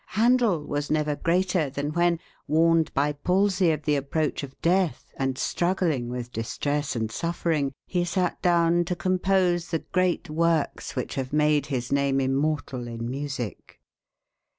Handel was never greater than when, warned by palsy of the approach of death, and struggling with distress and suffering, he sat down to compose the great works which have made his name immortal in music.